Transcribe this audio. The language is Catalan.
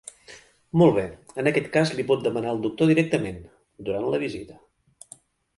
Molt bé, en aquest cas li pot demanar al doctor directament, durant la visita.